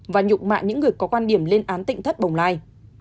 và nhục mạ những người có quan điểm lên án tỉnh thất bồng lai